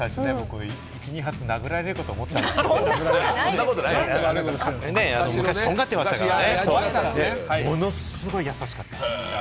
１２発、殴られるかと思ったら、昔はとんがってましたからね、ものすごい優しかった。